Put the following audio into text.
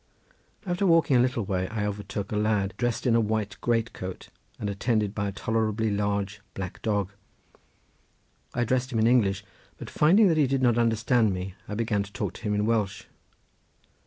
After walking a little way I overtook a lad dressed in a white great coat and attended by a tolerably large black dog. I addressed him in English, but finding that he did not understand me I began to talk to him in Welsh.